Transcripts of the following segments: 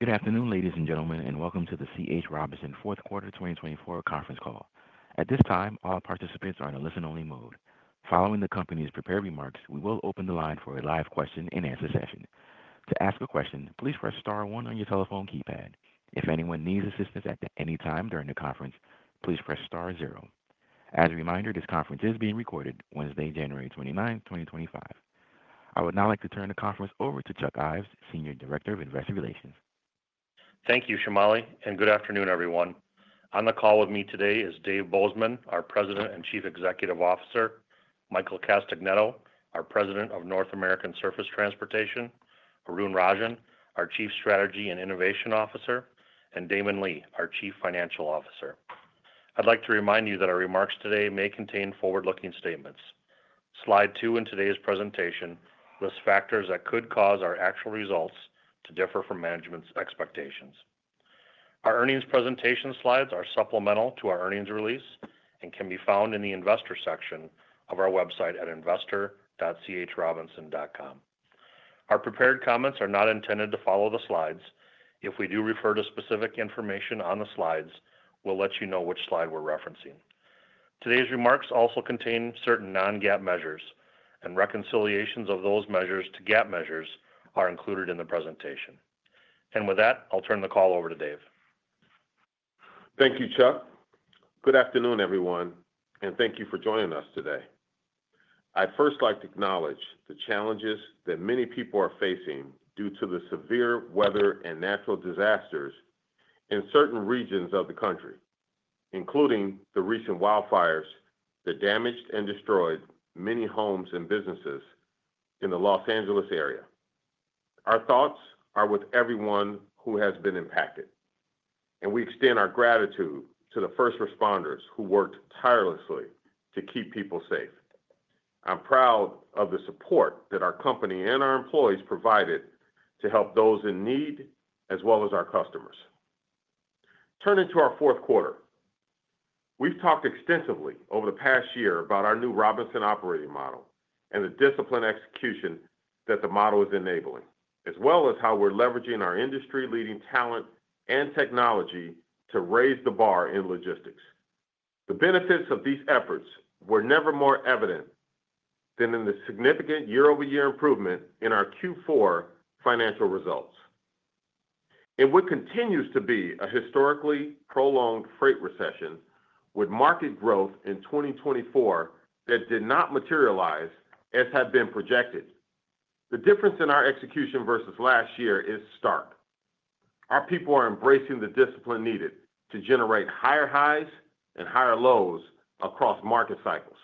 Good afternoon, ladies and gentlemen, and Welcome to the C.H. Robinson Fourth Quarter 2024 Conference Call. At this time, all participants are in a listen-only mode. Following the company's prepared remarks, we will open the line for a live question and answer session. To ask a question, please press star one on your telephone keypad. If anyone needs assistance at any time during the conference, please press star zero. As a reminder, this conference is being recorded Wednesday, January 29, 2025. I would now like to turn the conference over to Chuck Ives, Senior Director of Investor Relations. Thank you, Shimali, and good afternoon, everyone. On the call with me today is Dave Bozeman, our President and Chief Executive Officer. Michael Castagnetto, our President of North American Surface Transportation. Arun Rajan, our Chief Strategy and Innovation Officer. And Damon Lee, our Chief Financial Officer. I'd like to remind you that our remarks today may contain forward-looking statements. Slide two in today's presentation lists factors that could cause our actual results to differ from management's expectations. Our earnings presentation slides are supplemental to our earnings release and can be found in the investor section of our website at investor.chrobinson.com. Our prepared comments are not intended to follow the slides. If we do refer to specific information on the slides, we'll let you know which slide we're referencing. Today's remarks also contain certain non-GAAP measures, and reconciliations of those measures to GAAP measures are included in the presentation. With that, I'll turn the call over to Dave. Thank you, Chuck. Good afternoon, everyone, and thank you for joining us today. I'd first like to acknowledge the challenges that many people are facing due to the severe weather and natural disasters in certain regions of the country, including the recent wildfires that damaged and destroyed many homes and businesses in the Los Angeles area. Our thoughts are with everyone who has been impacted, and we extend our gratitude to the first responders who worked tirelessly to keep people safe. I'm proud of the support that our company and our employees provided to help those in need, as well as our customers. Turning to our fourth quarter, we've talked extensively over the past year about our new Robinson Operating Model and the discipline execution that the model is enabling, as well as how we're leveraging our industry-leading talent and technology to raise the bar in logistics. The benefits of these efforts were never more evident than in the significant year-over-year improvement in our Q4 financial results. It would continue to be a historically prolonged freight recession with market growth in 2024 that did not materialize as had been projected. The difference in our execution versus last year is stark. Our people are embracing the discipline needed to generate higher highs and higher lows across market cycles,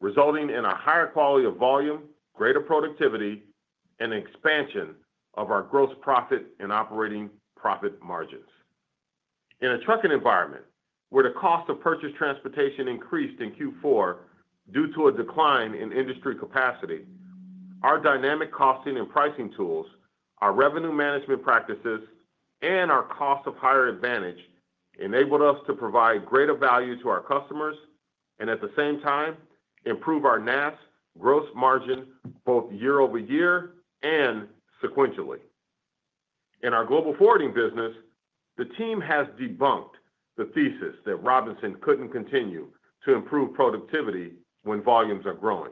resulting in a higher quality of volume, greater productivity, and expansion of our gross profit and operating profit margins. In a trucking environment where the cost of purchased transportation increased in Q4 due to a decline in industry capacity, our dynamic costing and pricing tools, our revenue management practices, and our cost of hire advantage enabled us to provide greater value to our customers and, at the same time, improve our NAST gross margin both year-over-year and sequentially. In our Global Forwarding business, the team has debunked the thesis that Robinson couldn't continue to improve productivity when volumes are growing.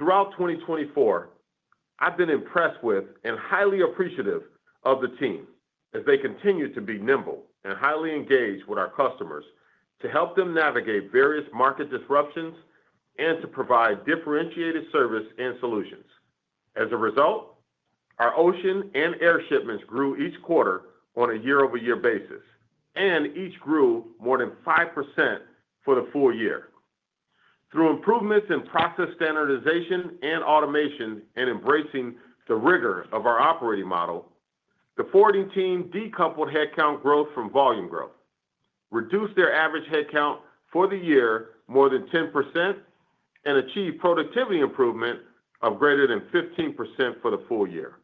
Throughout 2024, I've been impressed with and highly appreciative of the team as they continue to be nimble and highly engaged with our customers to help them navigate various market disruptions and to provide differentiated service and solutions. As a result, our ocean and air shipments grew each quarter on a year-over-year basis, and each grew more than 5% for the full year. Through improvements in process standardization and automation and embracing the rigor of our operating model, the forwarding team decoupled headcount growth from volume growth, reduced their average headcount for the year more than 10%, and achieved productivity improvement of greater than 15% for the full year.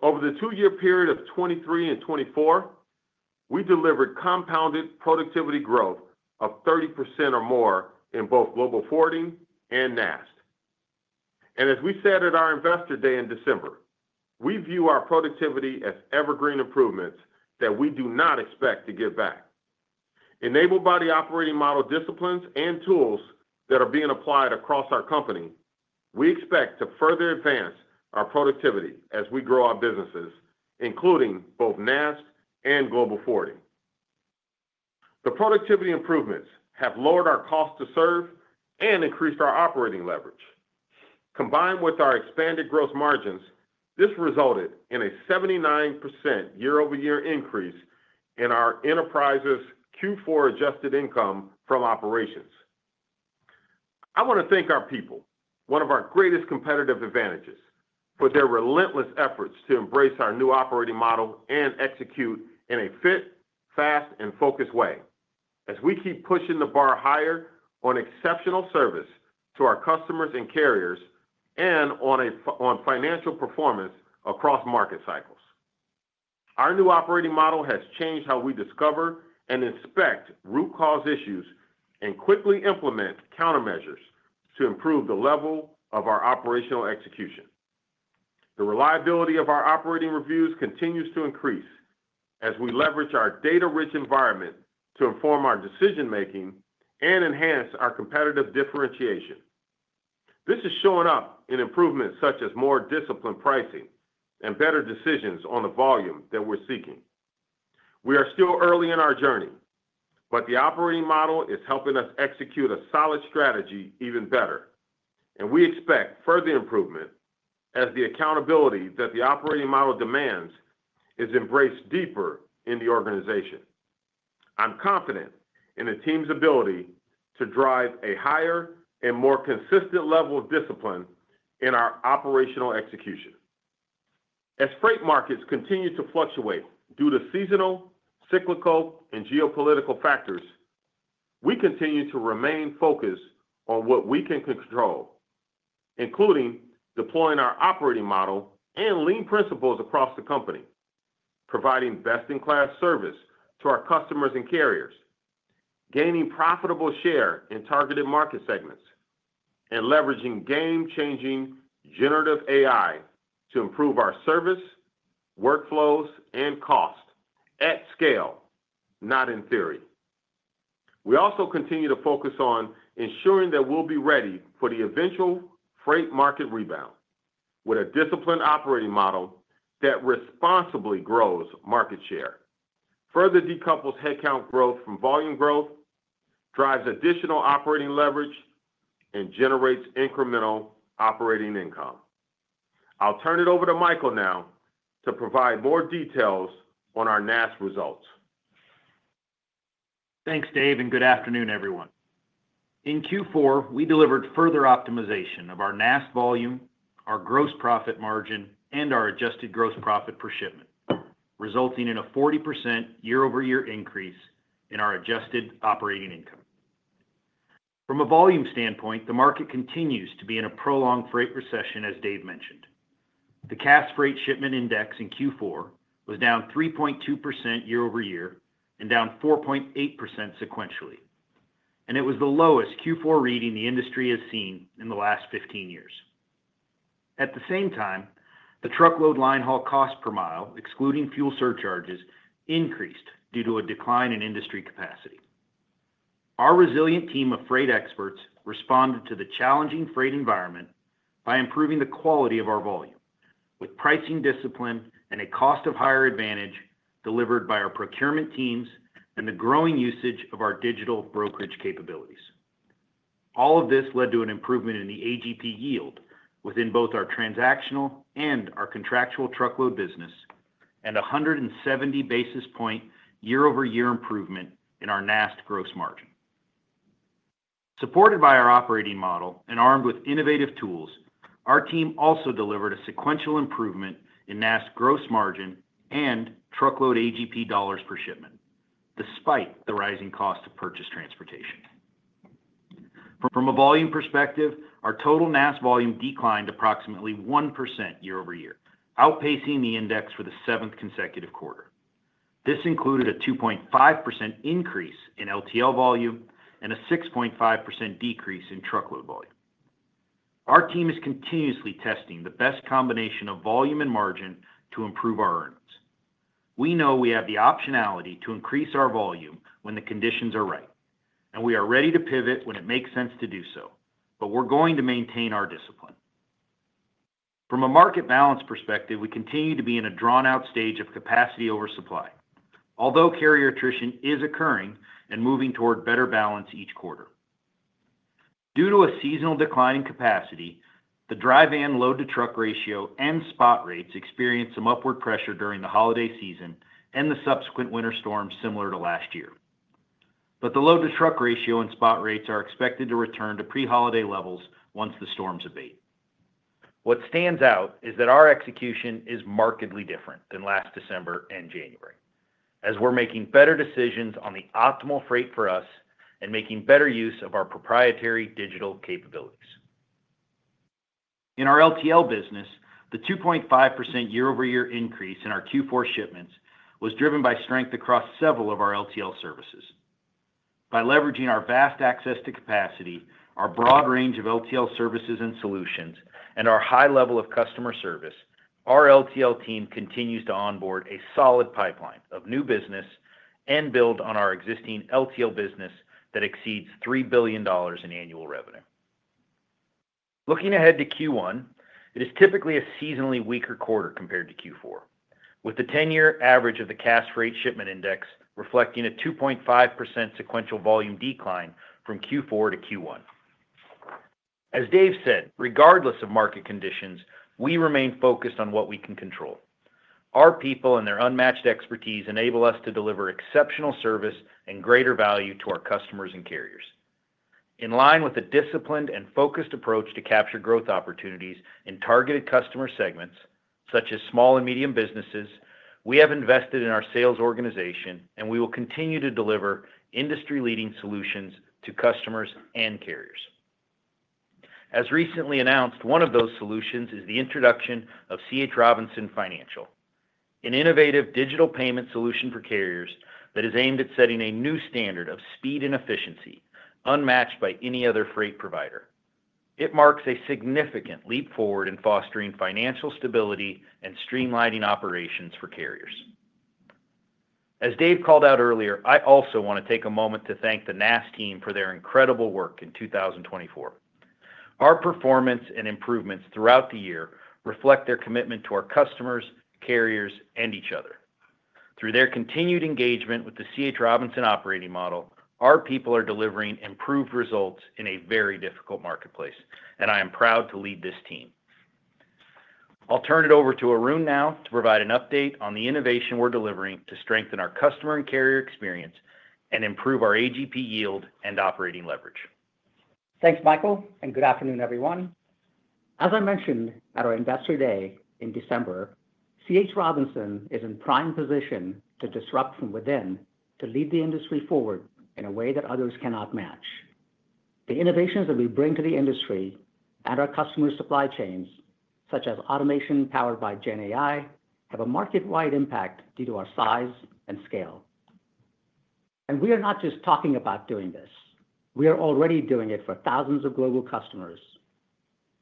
Over the two-year period of 2023 and 2024, we delivered compounded productivity growth of 30% or more in both Global Forwarding and NAST, and as we said at Investor Day in December, we view our productivity as evergreen improvements that we do not expect to give back. Enabled by the operating model disciplines and tools that are being applied across our company, we expect to further advance our productivity as we grow our businesses, including both NAST and Global Forwarding. The productivity improvements have lowered our cost to serve and increased our operating leverage. Combined with our expanded gross margins, this resulted in a 79% year-over-year increase in our enterprise's Q4 adjusted income from operations. I want to thank our people, one of our greatest competitive advantages, for their relentless efforts to embrace our new operating model and execute in a fit, fast, and focused way, as we keep pushing the bar higher on exceptional service to our customers and carriers and on financial performance across market cycles. Our new operating model has changed how we discover and inspect root cause issues and quickly implement countermeasures to improve the level of our operational execution. The reliability of our operating reviews continues to increase as we leverage our data-rich environment to inform our decision-making and enhance our competitive differentiation. This is showing up in improvements such as more disciplined pricing and better decisions on the volume that we're seeking. We are still early in our journey, but the operating model is helping us execute a solid strategy even better, and we expect further improvement as the accountability that the operating model demands is embraced deeper in the organization. I'm confident in the team's ability to drive a higher and more consistent level of discipline in our operational execution. As freight markets continue to fluctuate due to seasonal, cyclical, and geopolitical factors, we continue to remain focused on what we can control, including deploying our operating model and lean principles across the company, providing best-in-class service to our customers and carriers, gaining profitable share in targeted market segments, and leveraging game-changing generative AI to improve our service, workflows, and cost at scale, not in theory. We also continue to focus on ensuring that we'll be ready for the eventual freight market rebound with a disciplined operating model that responsibly grows market share, further decouples headcount growth from volume growth, drives additional operating leverage, and generates incremental operating income. I'll turn it over to Michael now to provide more details on our NAST results. Thanks, Dave, and good afternoon, everyone. In Q4, we delivered further optimization of our NAST volume, our gross profit margin, and our adjusted gross profit per shipment, resulting in a 40% year-over-year increase in our adjusted operating income. From a volume standpoint, the market continues to be in a prolonged freight recession, as Dave mentioned. The Cass Freight Shipment Index in Q4 was down 3.2% year-over-year and down 4.8% sequentially, and it was the lowest Q4 reading the industry has seen in the last 15 years. At the same time, the truckload linehaul cost per mile, excluding fuel surcharges, increased due to a decline in industry capacity. Our resilient team of freight experts responded to the challenging freight environment by improving the quality of our volume, with pricing discipline and a cost of hire advantage delivered by our procurement teams and the growing usage of our digital brokerage capabilities. All of this led to an improvement in the AGP yield within both our transactional and our contractual truckload business and a 170-basis-point year-over-year improvement in our NAST gross margin. Supported by our operating model and armed with innovative tools, our team also delivered a sequential improvement in NAST gross margin and truckload AGP dollars per shipment, despite the rising cost of purchased transportation. From a volume perspective, our total NAST volume declined approximately 1% year-over-year, outpacing the index for the seventh consecutive quarter. This included a 2.5% increase in LTL volume and a 6.5% decrease in truckload volume. Our team is continuously testing the best combination of volume and margin to improve our earnings. We know we have the optionality to increase our volume when the conditions are right, and we are ready to pivot when it makes sense to do so, but we're going to maintain our discipline. From a market balance perspective, we continue to be in a drawn-out stage of capacity over supply, although carrier attrition is occurring and moving toward better balance each quarter. Due to a seasonal decline in capacity, the dry van load-to-truck ratio and spot rates experienced some upward pressure during the holiday season and the subsequent winter storms similar to last year, but the load-to-truck ratio and spot rates are expected to return to pre-holiday levels once the storms abate. What stands out is that our execution is markedly different than last December and January, as we're making better decisions on the optimal freight for us and making better use of our proprietary digital capabilities. In our LTL business, the 2.5% year-over-year increase in our Q4 shipments was driven by strength across several of our LTL services. By leveraging our vast access to capacity, our broad range of LTL services and solutions, and our high level of customer service, our LTL team continues to onboard a solid pipeline of new business and build on our existing LTL business that exceeds $3 billion in annual revenue. Looking ahead to Q1, it is typically a seasonally weaker quarter compared to Q4, with the 10-year average of the Cass Freight Shipment Index reflecting a 2.5% sequential volume decline from Q4 to Q1. As Dave said, regardless of market conditions, we remain focused on what we can control. Our people and their unmatched expertise enable us to deliver exceptional service and greater value to our customers and carriers. In line with a disciplined and focused approach to capture growth opportunities in targeted customer segments, such as small and medium businesses, we have invested in our sales organization, and we will continue to deliver industry-leading solutions to customers and carriers. As recently announced, one of those solutions is the introduction of C.H. Robinson Financial, an innovative digital payment solution for carriers that is aimed at setting a new standard of speed and efficiency unmatched by any other freight provider. It marks a significant leap forward in fostering financial stability and streamlining operations for carriers. As Dave called out earlier, I also want to take a moment to thank the NAST team for their incredible work in 2024. Our performance and improvements throughout the year reflect their commitment to our customers, carriers, and each other. Through their continued engagement with the C.H. Robinson Operating Model, our people are delivering improved results in a very difficult marketplace, and I am proud to lead this team. I'll turn it over to Arun now to provide an update on the innovation we're delivering to strengthen our customer and carrier experience and improve our AGP yield and operating leverage. Thanks, Michael, and good afternoon, everyone. As I mentioned at our Investor Day in December, C.H. Robinson is in prime position to disrupt from within to lead the industry forward in a way that others cannot match. The innovations that we bring to the industry and our customer supply chains, such as automation powered by GenAI, have a market-wide impact due to our size and scale. And we are not just talking about doing this. We are already doing it for thousands of global customers.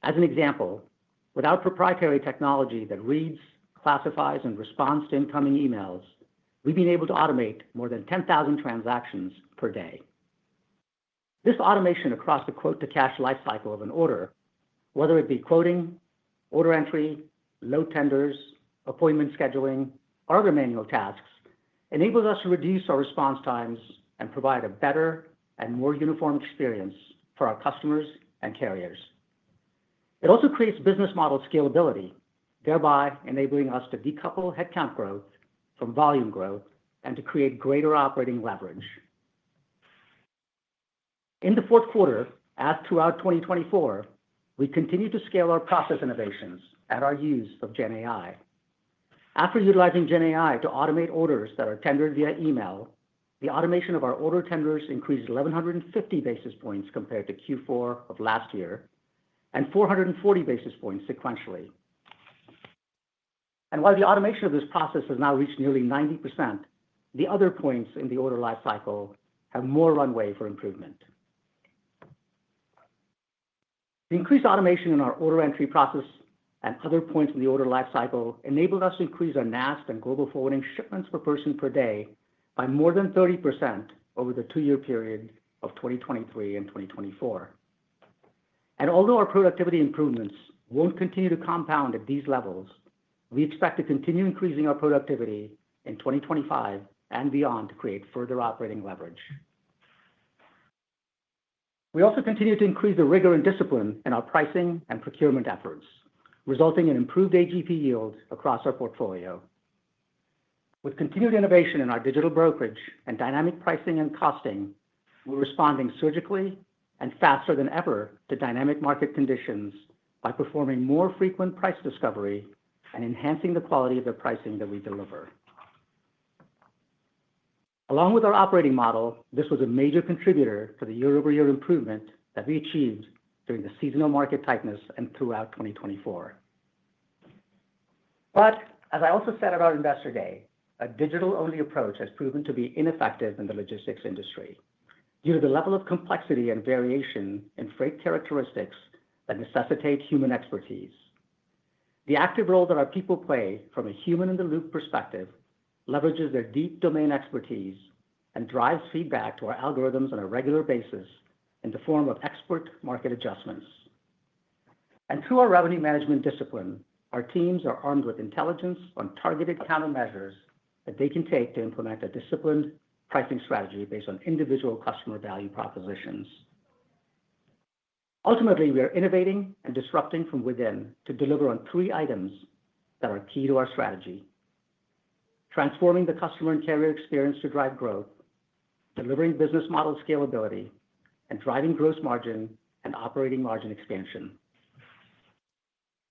As an example, with our proprietary technology that reads, classifies, and responds to incoming emails, we've been able to automate more than 10,000 transactions per day. This automation across the quote-to-cash lifecycle of an order, whether it be quoting, order entry, load tenders, appointment scheduling, or other manual tasks, enables us to reduce our response times and provide a better and more uniform experience for our customers and carriers. It also creates business model scalability, thereby enabling us to decouple headcount growth from volume growth and to create greater operating leverage. In the fourth quarter, as throughout 2024, we continue to scale our process innovations and our use of GenAI. After utilizing GenAI to automate orders that are tendered via email, the automation of our order tenders increased 1,150 basis points compared to Q4 of last year and 440 basis points sequentially, and while the automation of this process has now reached nearly 90%, the other points in the order lifecycle have more runway for improvement. The increased automation in our order entry process and other points in the order lifecycle enabled us to increase our NAST and Global Forwarding shipments per person per day by more than 30% over the two-year period of 2023 and 2024, and although our productivity improvements won't continue to compound at these levels, we expect to continue increasing our productivity in 2025 and beyond to create further operating leverage. We also continue to increase the rigor and discipline in our pricing and procurement efforts, resulting in improved AGP yield across our portfolio. With continued innovation in our digital brokerage and dynamic pricing and costing, we're responding surgically and faster than ever to dynamic market conditions by performing more frequent price discovery and enhancing the quality of the pricing that we deliver. Along with our operating model, this was a major contributor to the year-over-year improvement that we achieved during the seasonal market tightness and throughout 2024, but as I also said at our Investor Day, a digital-only approach has proven to be ineffective in the logistics industry due to the level of complexity and variation in freight characteristics that necessitate human expertise. The active role that our people play from a human-in-the-loop perspective leverages their deep domain expertise and drives feedback to our algorithms on a regular basis in the form of expert market adjustments, and through our revenue management discipline, our teams are armed with intelligence on targeted countermeasures that they can take to implement a disciplined pricing strategy based on individual customer value propositions. Ultimately, we are innovating and disrupting from within to deliver on three items that are key to our strategy: transforming the customer and carrier experience to drive growth, delivering business model scalability, and driving gross margin and operating margin expansion.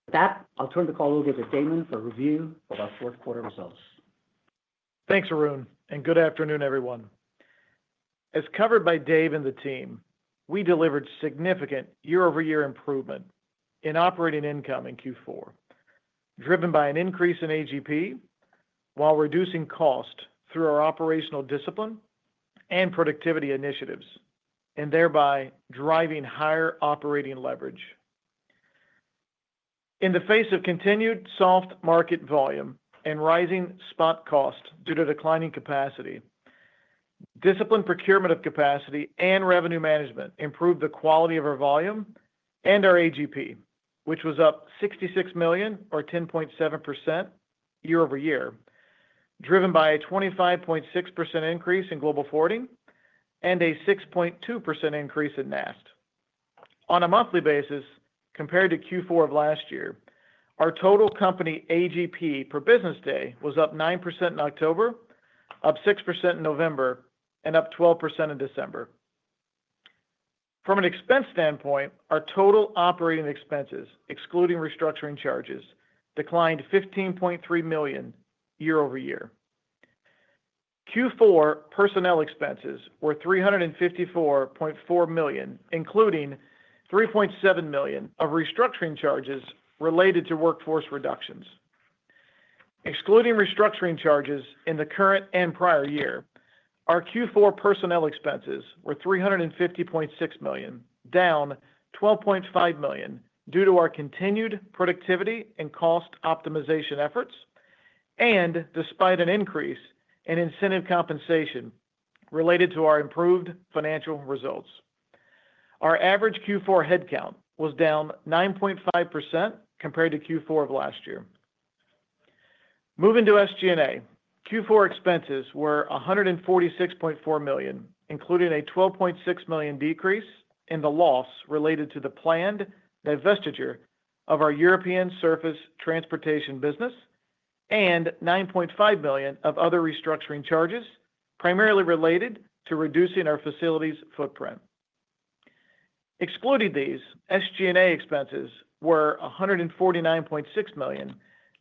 With that, I'll turn the call over to Damon for review of our fourth quarter results. Thanks, Arun, and good afternoon, everyone. As covered by Dave and the team, we delivered significant year-over-year improvement in operating income in Q4, driven by an increase in AGP while reducing cost through our operational discipline and productivity initiatives, and thereby driving higher operating leverage. In the face of continued soft market volume and rising spot cost due to declining capacity, disciplined procurement of capacity and revenue management improved the quality of our volume and our AGP, which was up $66 million, or 10.7% year-over-year, driven by a 25.6% increase in Global Forwarding and a 6.2% increase in NAST. On a monthly basis, compared to Q4 of last year, our total company AGP per business day was up 9% in October, up 6% in November, and up 12% in December. From an expense standpoint, our total operating expenses, excluding restructuring charges, declined $15.3 million year-over-year. Q4 personnel expenses were $354.4 million, including $3.7 million of restructuring charges related to workforce reductions. Excluding restructuring charges in the current and prior year, our Q4 personnel expenses were $350.6 million, down $12.5 million due to our continued productivity and cost optimization efforts, and despite an increase in incentive compensation related to our improved financial results. Our average Q4 headcount was down 9.5% compared to Q4 of last year. Moving to SG&A, Q4 expenses were $146.4 million, including a $12.6 million decrease in the loss related to the planned divestiture of our European surface transportation business and $9.5 million of other restructuring charges primarily related to reducing our facilities' footprint. Excluding these, SG&A expenses were $149.6 million,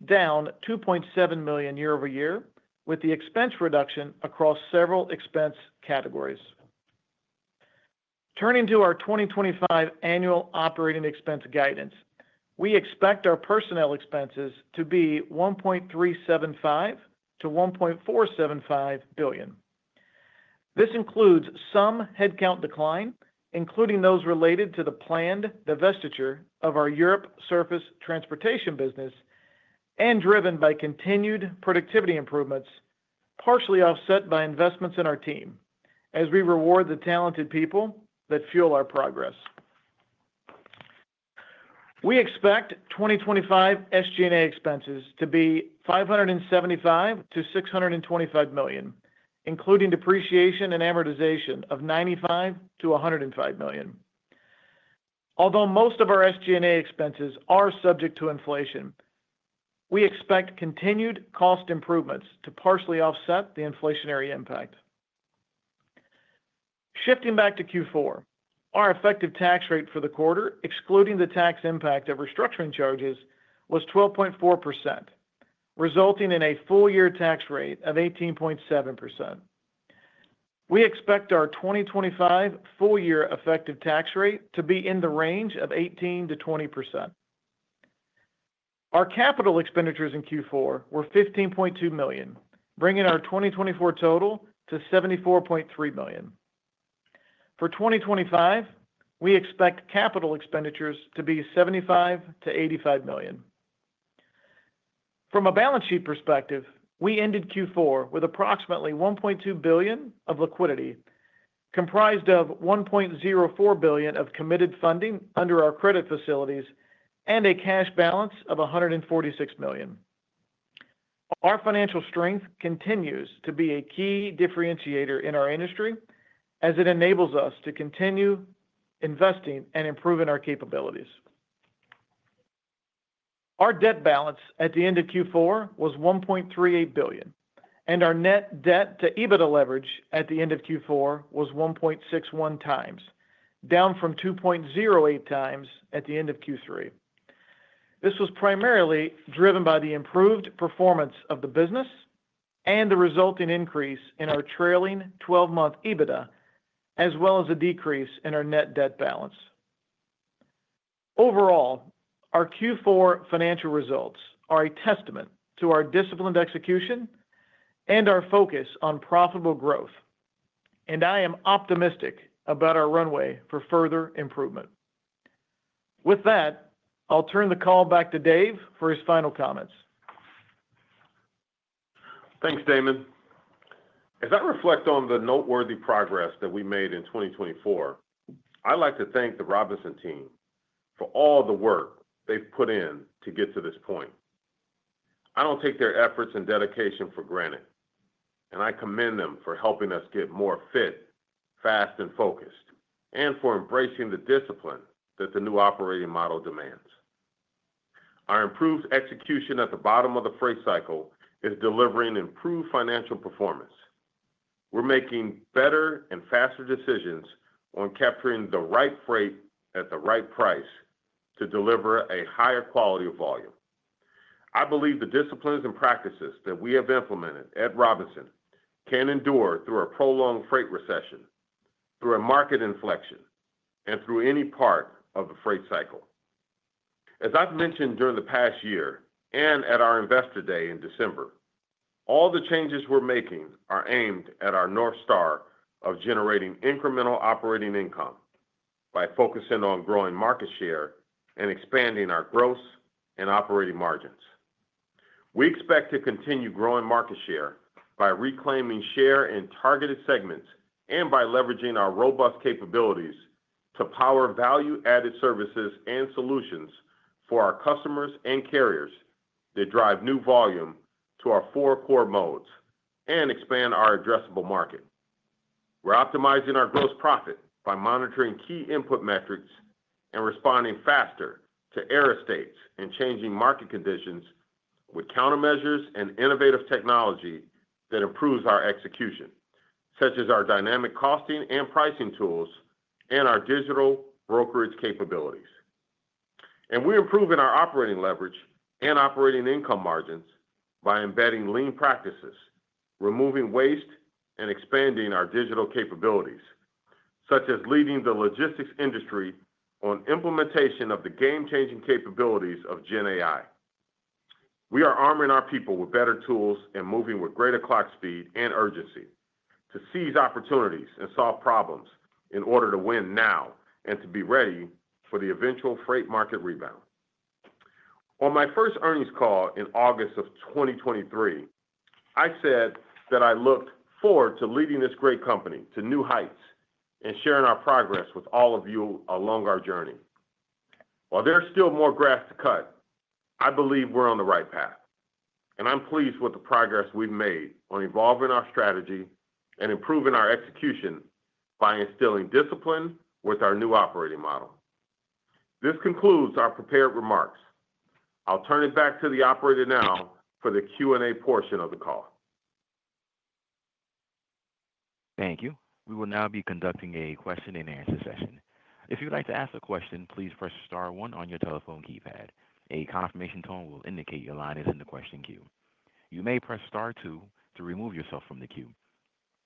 down $2.7 million year-over-year, with the expense reduction across several expense categories. Turning to our 2025 annual operating expense guidance, we expect our personnel expenses to be $1.375-$1.475 billion. This includes some headcount decline, including those related to the planned divestiture of our Europe surface transportation business, and driven by continued productivity improvements, partially offset by investments in our team, as we reward the talented people that fuel our progress. We expect 2025 SG&A expenses to be $575 million-$625 million, including depreciation and amortization of $95 million-$105 million. Although most of our SG&A expenses are subject to inflation, we expect continued cost improvements to partially offset the inflationary impact. Shifting back to Q4, our effective tax rate for the quarter, excluding the tax impact of restructuring charges, was 12.4%, resulting in a full-year tax rate of 18.7%. We expect our 2025 full-year effective tax rate to be in the range of 18%-20%. Our capital expenditures in Q4 were $15.2 million, bringing our 2024 total to $74.3 million. For 2025, we expect capital expenditures to be $75 million-$85 million. From a balance sheet perspective, we ended Q4 with approximately $1.2 billion of liquidity, comprised of $1.04 billion of committed funding under our credit facilities and a cash balance of $146 million. Our financial strength continues to be a key differentiator in our industry, as it enables us to continue investing and improving our capabilities. Our debt balance at the end of Q4 was $1.38 billion, and our net debt to EBITDA leverage at the end of Q4 was 1.61 times, down from 2.08 times at the end of Q3. This was primarily driven by the improved performance of the business and the resulting increase in our trailing 12-month EBITDA, as well as a decrease in our net debt balance. Overall, our Q4 financial results are a testament to our disciplined execution and our focus on profitable growth, and I am optimistic about our runway for further improvement. With that, I'll turn the call back to Dave for his final comments. Thanks, Damon. As I reflect on the noteworthy progress that we made in 2024, I'd like to thank the Robinson team for all the work they've put in to get to this point. I don't take their efforts and dedication for granted, and I commend them for helping us get more fit, fast, and focused, and for embracing the discipline that the new operating model demands. Our improved execution at the bottom of the freight cycle is delivering improved financial performance. We're making better and faster decisions on capturing the right freight at the right price to deliver a higher quality of volume. I believe the disciplines and practices that we have implemented at Robinson can endure through a prolonged freight recession, through a market inflection, and through any part of the freight cycle. As I've mentioned during the past year and at our Investor Day in December, all the changes we're making are aimed at our North Star of generating incremental operating income by focusing on growing market share and expanding our gross and operating margins. We expect to continue growing market share by reclaiming share in targeted segments and by leveraging our robust capabilities to power value-added services and solutions for our customers and carriers that drive new volume to our four core modes and expand our addressable market. We're optimizing our gross profit by monitoring key input metrics and responding faster to error states and changing market conditions with countermeasures and innovative technology that improves our execution, such as our dynamic costing and pricing tools and our digital brokerage capabilities. And we're improving our operating leverage and operating income margins by embedding lean practices, removing waste, and expanding our digital capabilities, such as leading the logistics industry on implementation of the game-changing capabilities of GenAI. We are arming our people with better tools and moving with greater clock speed and urgency to seize opportunities and solve problems in order to win now and to be ready for the eventual freight market rebound. On my first earnings call in August of 2023, I said that I looked forward to leading this great company to new heights and sharing our progress with all of you along our journey. While there are still more grass to cut, I believe we're on the right path, and I'm pleased with the progress we've made on evolving our strategy and improving our execution by instilling discipline with our new operating model. This concludes our prepared remarks. I'll turn it back to the operator now for the Q&A portion of the call. Thank you. We will now be conducting a question-and-answer session. If you'd like to ask a question, please press star one on your telephone keypad. A confirmation tone will indicate your line is in the question queue. You may press star two to remove yourself from the queue.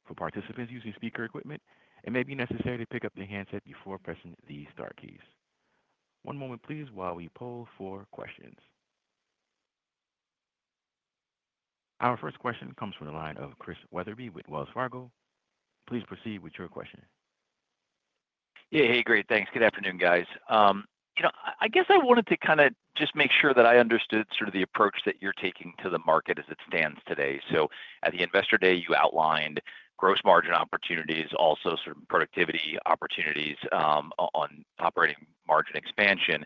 For participants using speaker equipment, it may be necessary to pick up the handset before pressing the star keys. One moment, please, while we poll for questions. Our first question comes from the line of Chris Wetherbee with Wells Fargo. Please proceed with your question. Yeah. Hey, great. Thanks. Good afternoon, guys. I guess I wanted to kind of just make sure that I understood sort of the approach that you're taking to the market as it stands today. So at the Investor Day, you outlined gross margin opportunities, also sort of productivity opportunities on operating margin expansion.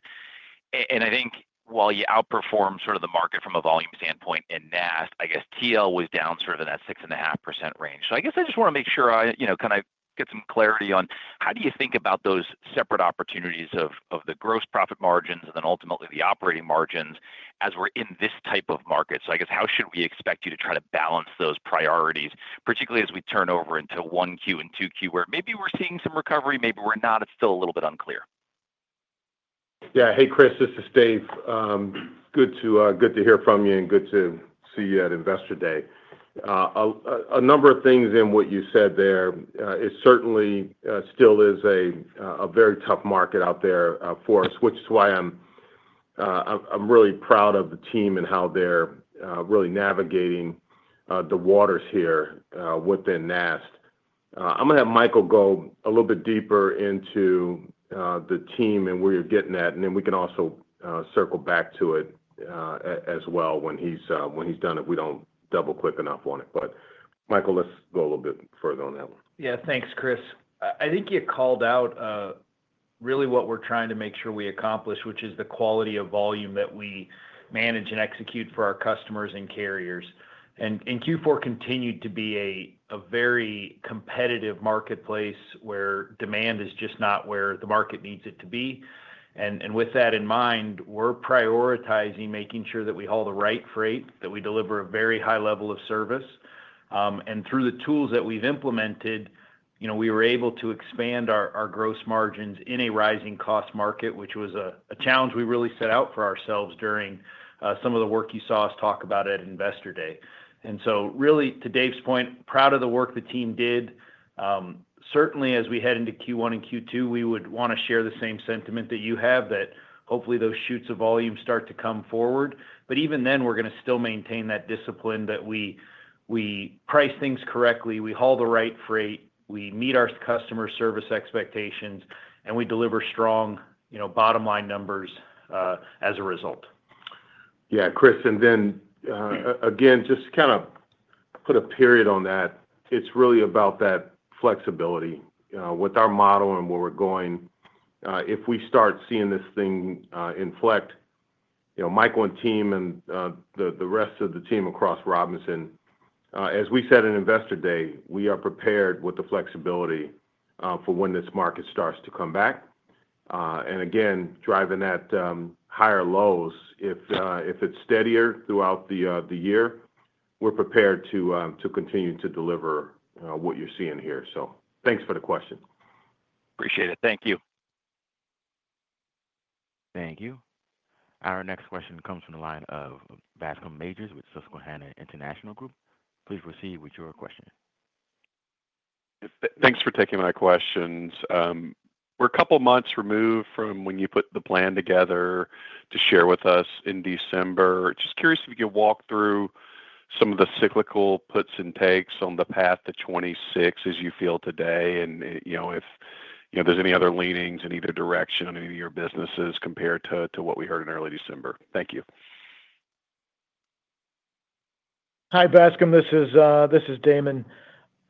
And I think while you outperform sort of the market from a volume standpoint in NAST, I guess TL was down sort of in that 6.5% range. So I guess I just want to make sure I kind of get some clarity on how do you think about those separate opportunities of the gross profit margins and then ultimately the operating margins as we're in this type of market? So I guess how should we expect you to try to balance those priorities, particularly as we turn over into Q1 and Q2 where maybe we're seeing some recovery, maybe we're not, it's still a little bit unclear? Yeah. Hey, Chris, this is Dave. Good to hear from you and good to see you at Investor Day. A number of things in what you said there is certainly still a very tough market out there for us, which is why I'm really proud of the team and how they're really navigating the waters here within NAST. I'm going to have Michael go a little bit deeper into the team and where you're getting at, and then we can also circle back to it as well when he's done it. We don't double-click enough on it. But Michael, let's go a little bit further on that one. Yeah. Thanks, Chris. I think you called out really what we're trying to make sure we accomplish, which is the quality of volume that we manage and execute for our customers and carriers. And Q4 continued to be a very competitive marketplace where demand is just not where the market needs it to be. And with that in mind, we're prioritizing making sure that we haul the right freight, that we deliver a very high level of service. And through the tools that we've implemented, we were able to expand our gross margins in a rising cost market, which was a challenge we really set out for ourselves during some of the work you saw us talk about at Investor Day. And so really, to Dave's point, proud of the work the team did. Certainly, as we head into Q1 and Q2, we would want to share the same sentiment that you have, that hopefully those shoots of volume start to come forward, but even then, we're going to still maintain that discipline that we price things correctly, we haul the right freight, we meet our customer service expectations, and we deliver strong bottom-line numbers as a result. Yeah. Chris, and then again, just to kind of put a period on that, it's really about that flexibility with our model and where we're going. If we start seeing this thing inflect, Michael and team and the rest of the team across Robinson, as we said in Investor Day, we are prepared with the flexibility for when this market starts to come back. And again, driving that higher lows, if it's steadier throughout the year, we're prepared to continue to deliver what you're seeing here. So thanks for the question. Appreciate it. Thank you. Thank you. Our next question comes from the line of Bascome Majors with Susquehanna International Group. Please proceed with your question. Thanks for taking my questions. We're a couple of months removed from when you put the plan together to share with us in December. Just curious if you could walk through some of the cyclical puts and takes on the path to 26 as you feel today and if there's any other leanings in either direction in any of your businesses compared to what we heard in early December? Thank you. Hi, Bascome. This is Damon.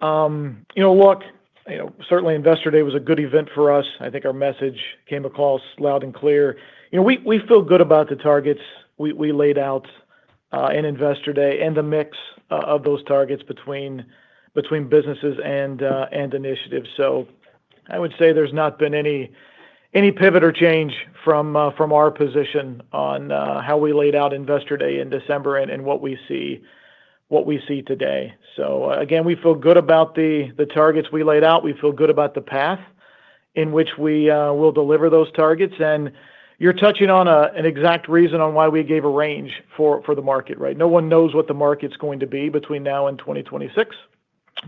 Look, certainly Investor Day was a good event for us. I think our message came across loud and clear. We feel good about the targets we laid out in Investor Day and the mix of those targets between businesses and initiatives. So I would say there's not been any pivot or change from our position on how we laid out Investor Day in December and what we see today. So again, we feel good about the targets we laid out. We feel good about the path in which we will deliver those targets. And you're touching on an exact reason on why we gave a range for the market, right? No one knows what the market's going to be between now and 2026,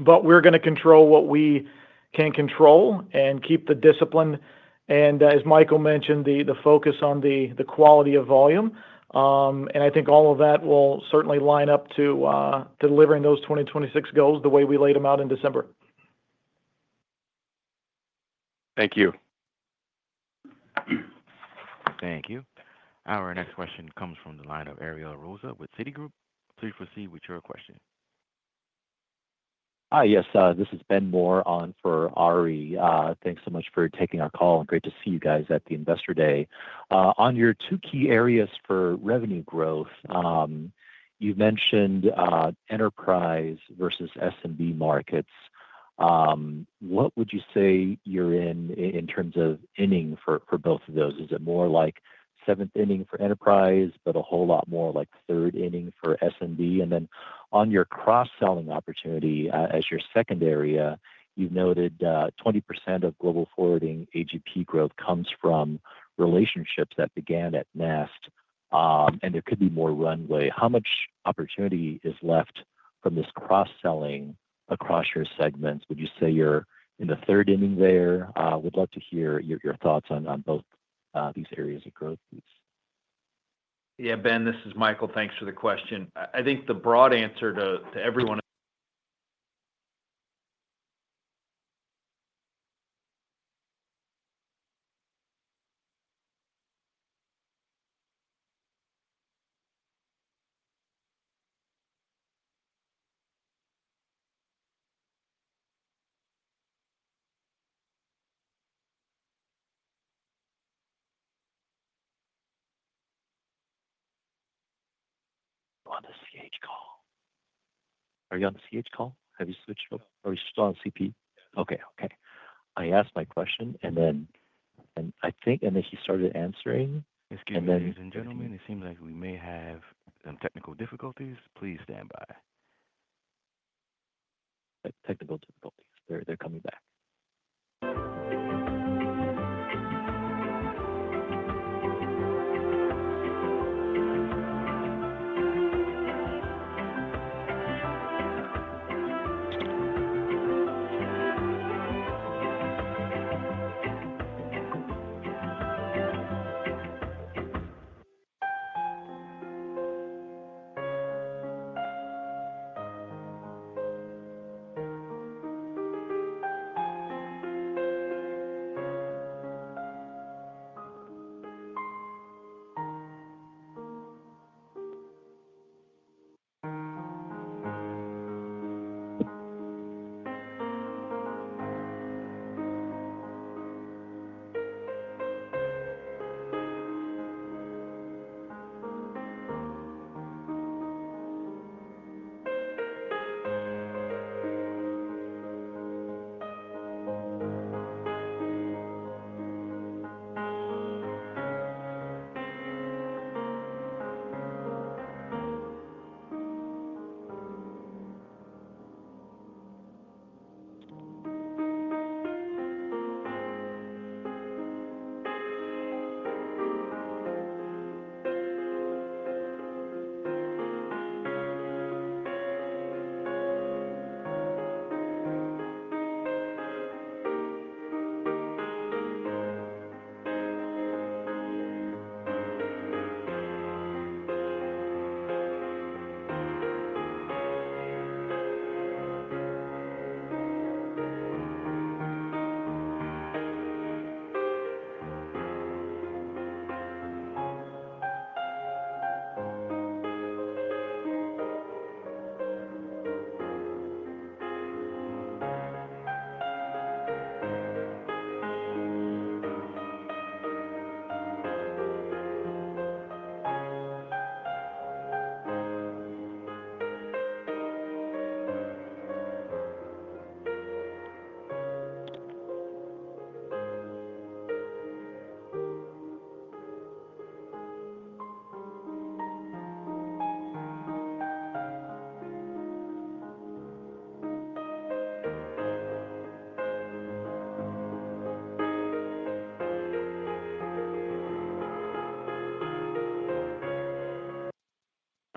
but we're going to control what we can control and keep the discipline. As Michael mentioned, the focus on the quality of volume. I think all of that will certainly line up to delivering those 2026 goals the way we laid them out in December. Thank you. Thank you. Our next question comes from the line of Ariel Rosa with Citigroup. Please proceed with your question. Hi. Yes, this is Ben Moore on for Ariel. Thanks so much for taking our call. Great to see you guys at the Investor Day. On your two key areas for revenue growth, you mentioned enterprise versus SMB markets. What would you say you're in in terms of inning for both of those? Is it more like seventh inning for enterprise, but a whole lot more like third inning for SMB? And then on your cross-selling opportunity as your second area, you've noted 20% of Global Forwarding AGP growth comes from relationships that began at NAST, and there could be more runway. How much opportunity is left from this cross-selling across your segments? Would you say you're in the third inning there? Would love to hear your thoughts on both these areas of growth piece. Yeah. Ben, this is Michael. Thanks for the question. I think the broad answer to everyone. On the CH call. Are you on the CH call? Have you switched over? Are you still on CP? Yeah. Okay. Okay. I asked my question, and then I think he started answering. Mr. H. and gentlemen, it seems like we may have some technical difficulties. Please stand by. Technical difficulties. They're coming back.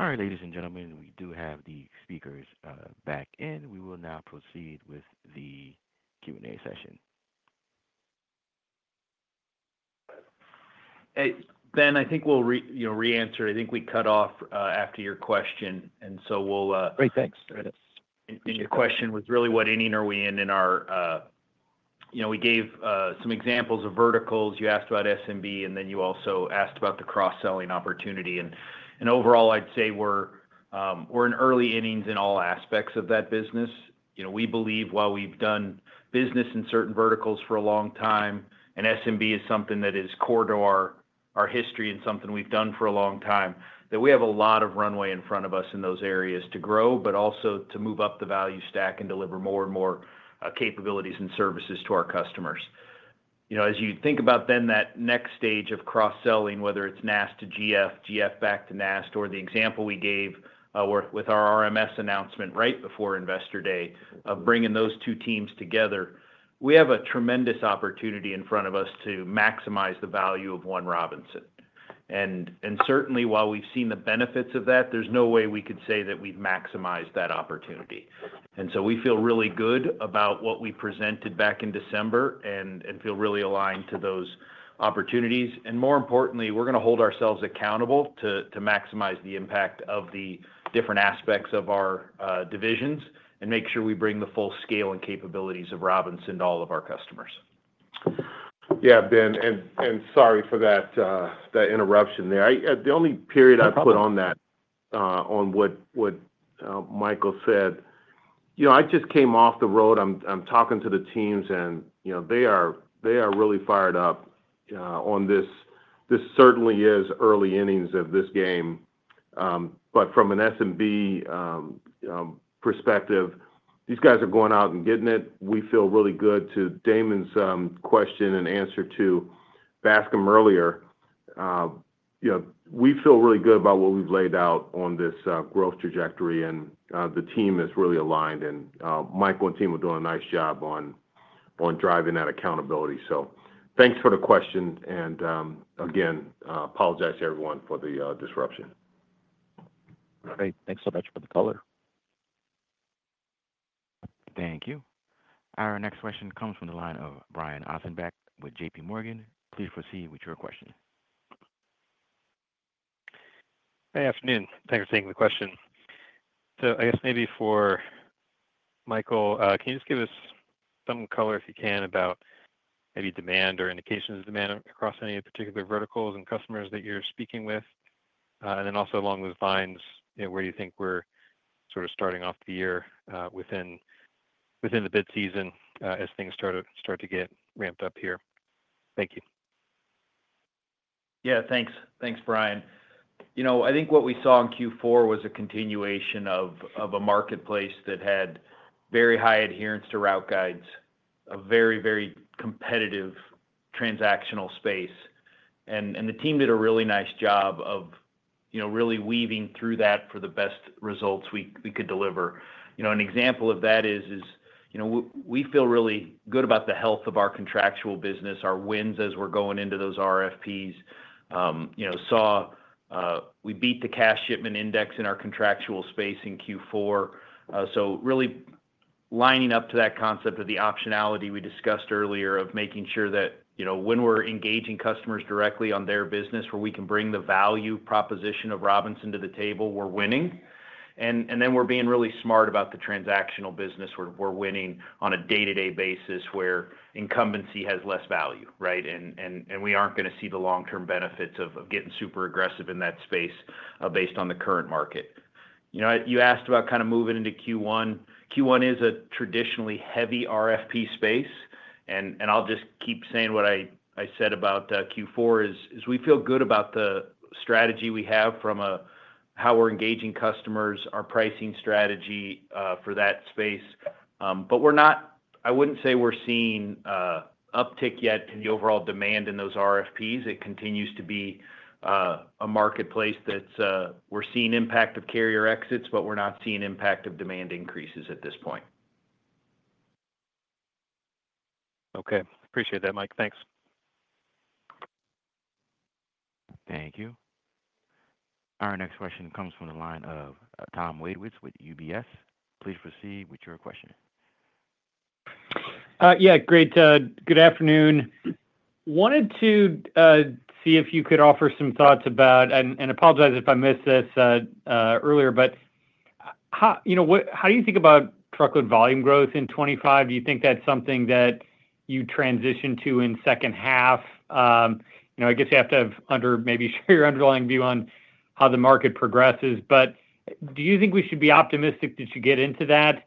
All right, ladies and gentlemen, we do have the speakers back in. We will now proceed with the Q&A session. Hey, Ben, I think we'll re-answer. I think we cut off after your question. And so we'll. Great. Thanks. Your question was really what inning are we in, and we gave some examples of verticals. You asked about SMB, and then you also asked about the cross-selling opportunity, and overall, I'd say we're in early innings in all aspects of that business. We believe, while we've done business in certain verticals for a long time, and SMB is something that is core to our history and something we've done for a long time, that we have a lot of runway in front of us in those areas to grow, but also to move up the value stack and deliver more and more capabilities and services to our customers. As you think about then that next stage of cross-selling, whether it's NAST to GF, GF back to NAST, or the example we gave with our RMS announcement right before Investor Day of bringing those two teams together, we have a tremendous opportunity in front of us to maximize the value of one Robinson. And certainly, while we've seen the benefits of that, there's no way we could say that we've maximized that opportunity. And so we feel really good about what we presented back in December and feel really aligned to those opportunities. And more importantly, we're going to hold ourselves accountable to maximize the impact of the different aspects of our divisions and make sure we bring the full scale and capabilities of Robinson to all of our customers. Yeah, Ben, and sorry for that interruption there. The only period I put on that on what Michael said, I just came off the road. I'm talking to the teams, and they are really fired up on this. This certainly is early innings of this game. But from an SMB perspective, these guys are going out and getting it. We feel really good to Damon's question and answer to Bascome earlier. We feel really good about what we've laid out on this growth trajectory, and the team is really aligned. And Michael and team are doing a nice job on driving that accountability. So thanks for the question. And again, apologize to everyone for the disruption. All right. Thanks so much for the caller. Thank you. Our next question comes from the line of Brian Ossenbeck with J.P. Morgan. Please proceed with your question. Hey, afternoon. Thanks for taking the question. So I guess maybe for Michael, can you just give us some color, if you can, about maybe demand or indications of demand across any particular verticals and customers that you're speaking with? And then also along those lines, where do you think we're sort of starting off the year within the bid season as things start to get ramped up here? Thank you. Yeah. Thanks. Thanks, Brian. I think what we saw in Q4 was a continuation of a marketplace that had very high adherence to route guides, a very, very competitive transactional space. The team did a really nice job of really weaving through that for the best results we could deliver. An example of that is we feel really good about the health of our contractual business, our wins as we're going into those RFPs. We beat the Cass Freight Index in our contractual space in Q4. So really lining up to that concept of the optionality we discussed earlier of making sure that when we're engaging customers directly on their business, where we can bring the value proposition of Robinson to the table, we're winning. Then we're being really smart about the transactional business. We're winning on a day-to-day basis where incumbency has less value, right? We aren't going to see the long-term benefits of getting super aggressive in that space based on the current market. You asked about kind of moving into Q1. Q1 is a traditionally heavy RFP space. I'll just keep saying what I said about Q4 is we feel good about the strategy we have from how we're engaging customers, our pricing strategy for that space. I wouldn't say we're seeing an uptick yet in the overall demand in those RFPs. It continues to be a marketplace that we're seeing impact of carrier exits, but we're not seeing impact of demand increases at this point. Okay. Appreciate that, Mike. Thanks. Thank you. Our next question comes from the line of Tom Wadewitz with UBS. Please proceed with your question. Yeah. Great. Good afternoon. Wanted to see if you could offer some thoughts about, and apologize if I missed this earlier, but how do you think about truckload volume growth in 2025? Do you think that's something that you transition to in second half? I guess you have to under maybe share your underlying view on how the market progresses. But do you think we should be optimistic that you get into that?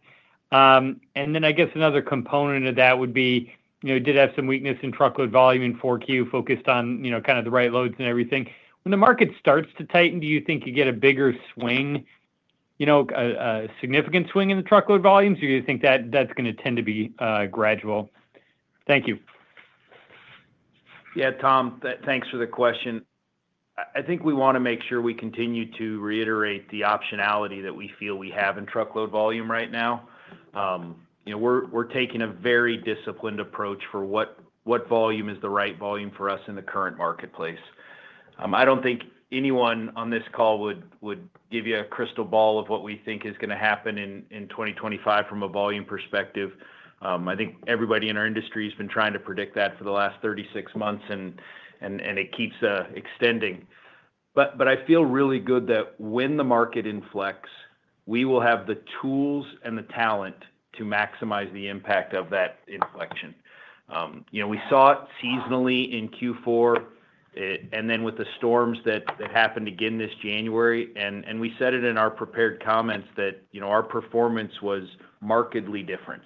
And then I guess another component of that would be you did have some weakness in truckload volume in 4Q focused on kind of the right loads and everything. When the market starts to tighten, do you think you get a bigger swing, a significant swing in the truckload volumes? Or do you think that that's going to tend to be gradual? Thank you. Yeah, Tom, thanks for the question. I think we want to make sure we continue to reiterate the optionality that we feel we have in truckload volume right now. We're taking a very disciplined approach for what volume is the right volume for us in the current marketplace. I don't think anyone on this call would give you a crystal ball of what we think is going to happen in 2025 from a volume perspective. I think everybody in our industry has been trying to predict that for the last 36 months, and it keeps extending. But I feel really good that when the market inflects, we will have the tools and the talent to maximize the impact of that inflection. We saw it seasonally in Q4 and then with the storms that happened again this January. We said it in our prepared comments that our performance was markedly different.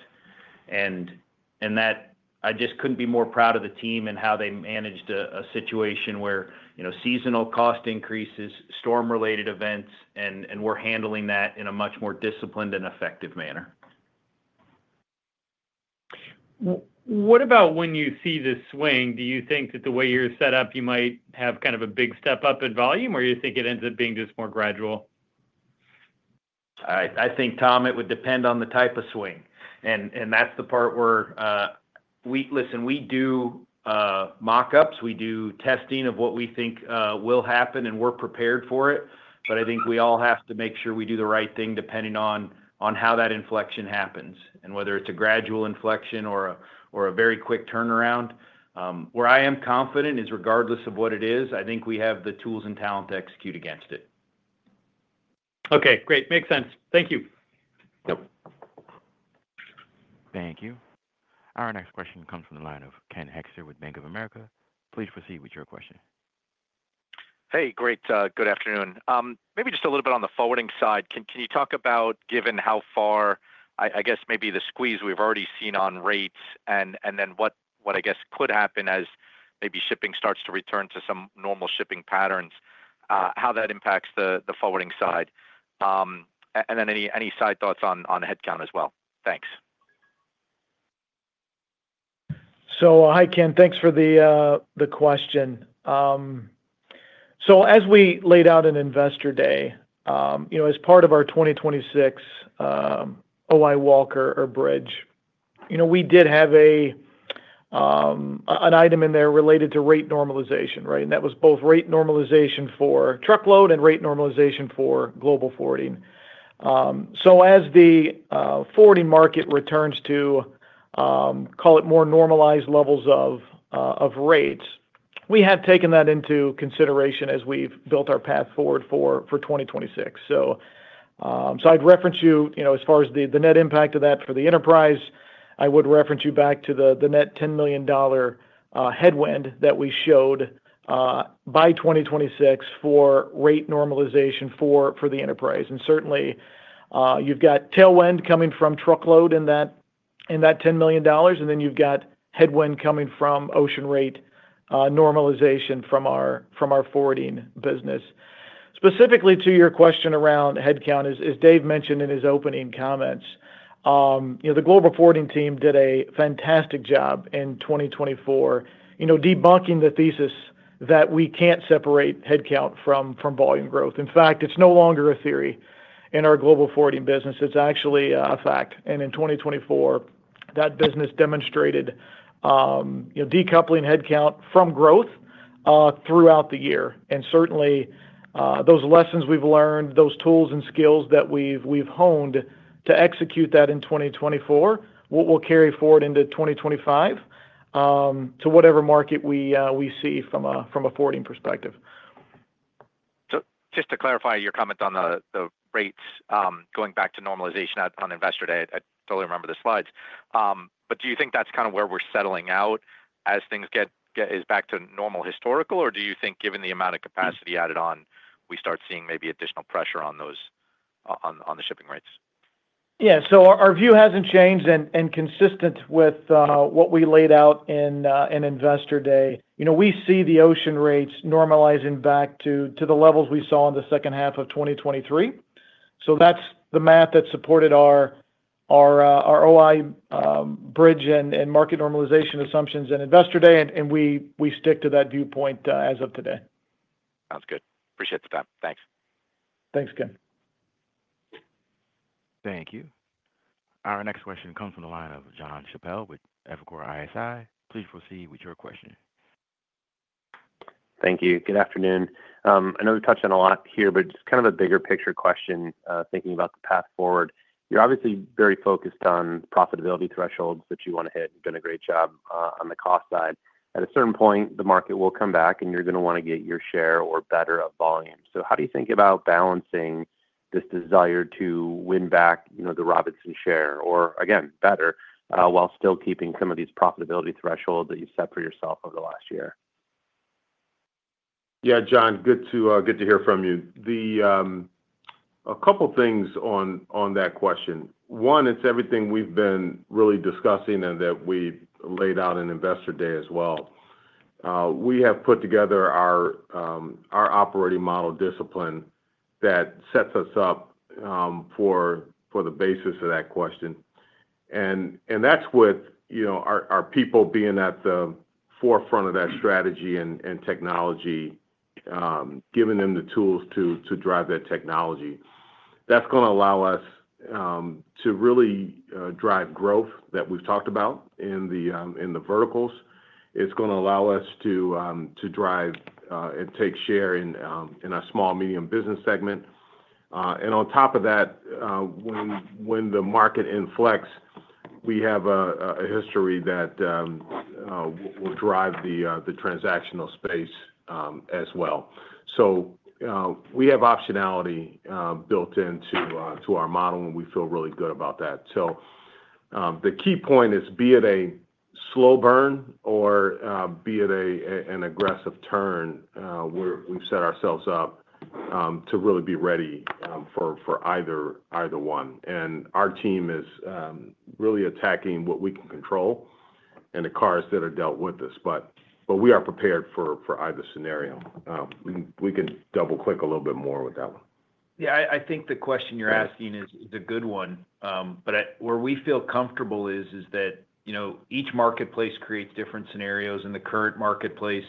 I just couldn't be more proud of the team and how they managed a situation where seasonal cost increases, storm-related events, and we're handling that in a much more disciplined and effective manner. What about when you see this swing? Do you think that the way you're set up, you might have kind of a big step up in volume, or do you think it ends up being just more gradual? I think, Tom, it would depend on the type of swing. And that's the part where, listen, we do mockups. We do testing of what we think will happen, and we're prepared for it. But I think we all have to make sure we do the right thing depending on how that inflection happens and whether it's a gradual inflection or a very quick turnaround. Where I am confident is regardless of what it is, I think we have the tools and talent to execute against it. Okay. Great. Makes sense. Thank you. Thank you. Our next question comes from the line of Ken Hoexter with Bank of America. Please proceed with your question. Hey, great. Good afternoon. Maybe just a little bit on the forwarding side. Can you talk about, given how far, I guess, maybe the squeeze we've already seen on rates and then what I guess could happen as maybe shipping starts to return to some normal shipping patterns, how that impacts the forwarding side? And then any side thoughts on headcount as well? Thanks. So hi, Ken. Thanks for the question. So as we laid out in Investor Day, as part of our 2026 OI Walker or bridge, we did have an item in there related to rate normalization, right? And that was both rate normalization for truckload and rate normalization for Global Forwarding. So as the forwarding market returns to, call it, more normalized levels of rates, we have taken that into consideration as we've built our path forward for 2026. So I'd reference you as far as the net impact of that for the enterprise, I would reference you back to the net $10 million headwind that we showed by 2026 for rate normalization for the enterprise. And certainly, you've got tailwind coming from truckload in that $10 million, and then you've got headwind coming from ocean rate normalization from our forwarding business. Specifically to your question around headcount, as Dave mentioned in his opening comments, the Global Forwarding team did a fantastic job in 2024 debunking the thesis that we can't separate headcount from volume growth. In fact, it's no longer a theory in our Global Forwarding business. It's actually a fact. And in 2024, that business demonstrated decoupling headcount from growth throughout the year. And certainly, those lessons we've learned, those tools and skills that we've honed to execute that in 2024, what we'll carry forward into 2025 to whatever market we see from a forwarding perspective. So just to clarify your comment on the rates going back to normalization on Investor Day, I don't remember the slides. But do you think that's kind of where we're settling out as things get back to normal historical, or do you think given the amount of capacity added on, we start seeing maybe additional pressure on the shipping rates? Yeah. So our view hasn't changed and is consistent with what we laid out in Investor Day. We see the ocean rates normalizing back to the levels we saw in the second half of 2023. So that's the math that supported our OI bridge and market normalization assumptions in Investor Day, and we stick to that viewpoint as of today. Sounds good. Appreciate the time. Thanks. Thanks, Ken. Thank you. Our next question comes from the line of John Chappell with Evercore ISI. Please proceed with your question. Thank you. Good afternoon. I know we've touched on a lot here, but it's kind of a bigger picture question thinking about the path forward. You're obviously very focused on profitability thresholds that you want to hit. You've done a great job on the cost side. At a certain point, the market will come back, and you're going to want to get your share or better of volume. So how do you think about balancing this desire to win back the Robinson share or, again, better, while still keeping some of these profitability thresholds that you've set for yourself over the last year? Yeah, John, good to hear from you. A couple of things on that question. One, it's everything we've been really discussing and that we laid out in Investor Day as well. We have put together our operating model discipline that sets us up for the basis of that question. And that's with our people being at the forefront of that strategy and technology, giving them the tools to drive that technology. That's going to allow us to really drive growth that we've talked about in the verticals. It's going to allow us to drive and take share in our small, medium business segment. And on top of that, when the market inflects, we have a history that will drive the transactional space as well. So we have optionality built into our model, and we feel really good about that. So the key point is, be it a slow burn or be it an aggressive turn, we've set ourselves up to really be ready for either one. And our team is really attacking what we can control and the carriers that have dealt with this. But we are prepared for either scenario. We can double-click a little bit more with that one. Yeah. I think the question you're asking is a good one. But where we feel comfortable is that each marketplace creates different scenarios. In the current marketplace,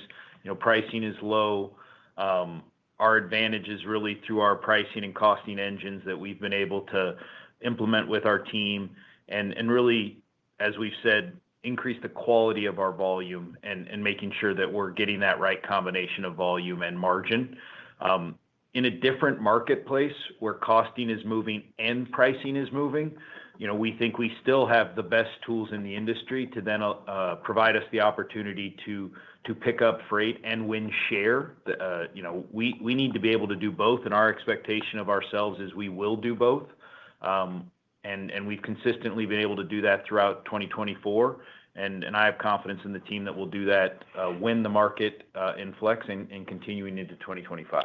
pricing is low. Our advantage is really through our pricing and costing engines that we've been able to implement with our team and really, as we've said, increase the quality of our volume and making sure that we're getting that right combination of volume and margin. In a different marketplace where costing is moving and pricing is moving, we think we still have the best tools in the industry to then provide us the opportunity to pick up freight and win share. We need to be able to do both. And our expectation of ourselves is we will do both. And we've consistently been able to do that throughout 2024. I have confidence in the team that will do that when the market inflects and continuing into 2025.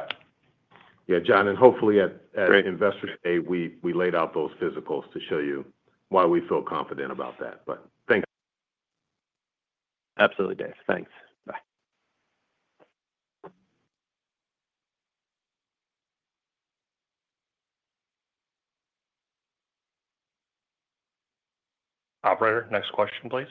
Yeah, John, and hopefully, at Investor Day, we laid out those physicals to show you why we feel confident about that, but thanks. Absolutely, Dave. Thanks. Bye. Operator, next question, please.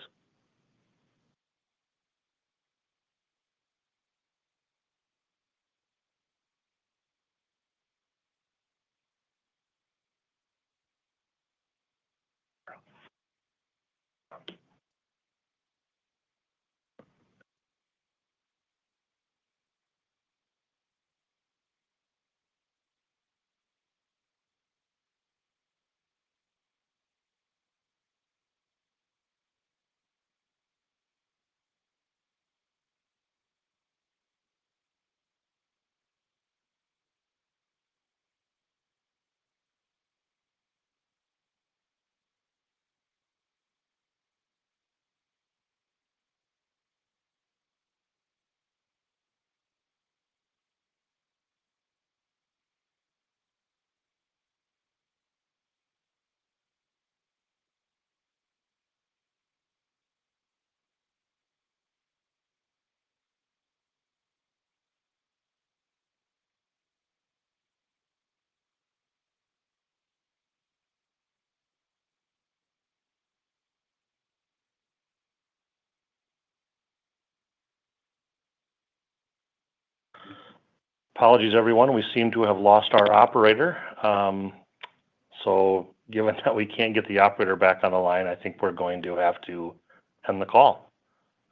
Apologies, everyone. We seem to have lost our operator. So given that we can't get the operator back on the line, I think we're going to have to end the call.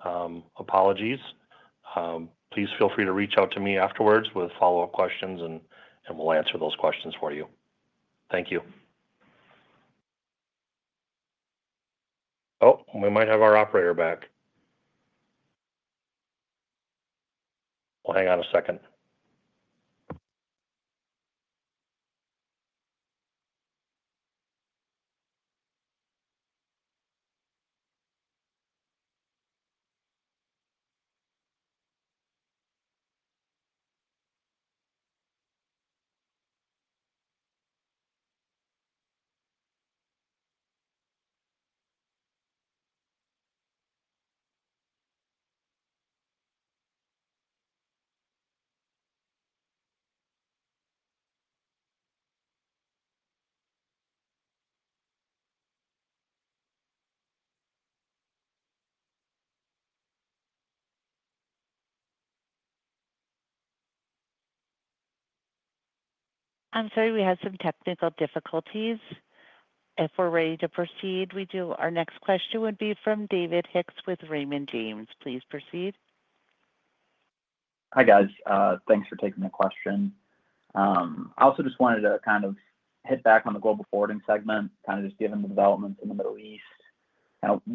Apologies. Please feel free to reach out to me afterwards with follow-up questions, and we'll answer those questions for you. Thank you. Oh, we might have our operator back. Well, hang on a second. I'm sorry. We had some technical difficulties. If we're ready to proceed, we do. Our next question would be from David Hicks with Raymond James. Please proceed. Hi, guys. Thanks for taking the question. I also just wanted to kind of hit back on the Global Forwarding segment, kind of just given the developments in the Middle East.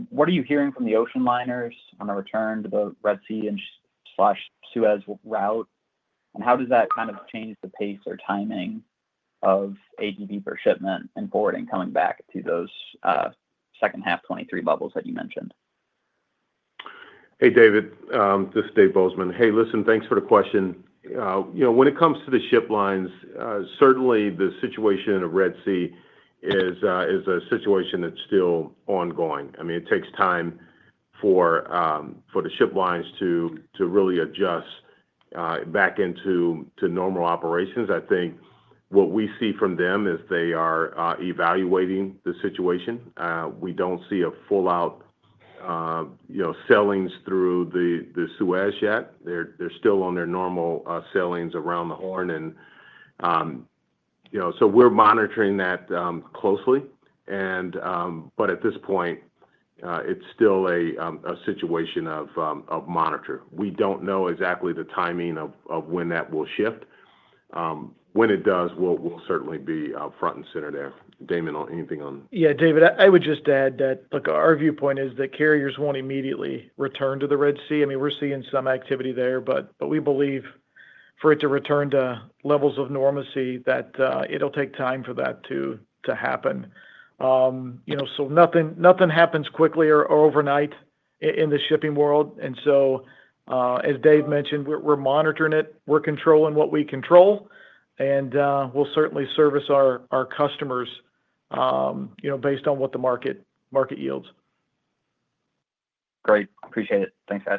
What are you hearing from the ocean liners on the return to the Red Sea/Suez route? And how does that kind of change the pace or timing of AGP for shipment and forwarding coming back to those second half 2023 levels that you mentioned? Hey, David, this is Dave Bozeman. Hey, listen, thanks for the question. When it comes to the ship lines, certainly the situation in the Red Sea is a situation that's still ongoing. I mean, it takes time for the ship lines to really adjust back into normal operations. I think what we see from them is they are evaluating the situation. We don't see a full-out sailing through the Suez yet. They're still on their normal sailings around the Horn. And so we're monitoring that closely. But at this point, it's still a situation to monitor. We don't know exactly the timing of when that will shift. When it does, we'll certainly be front and center there. Damon, anything on? Yeah, David, I would just add that our viewpoint is that carriers won't immediately return to the Red Sea. I mean, we're seeing some activity there, but we believe for it to return to levels of normalcy, that it'll take time for that to happen, so nothing happens quickly or overnight in the shipping world, and so, as Dave mentioned, we're monitoring it. We're controlling what we control, and we'll certainly service our customers based on what the market yields. Great. Appreciate it. Thanks, guys.